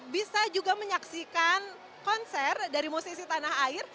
bisa juga menyaksikan konser dari musisi tanah air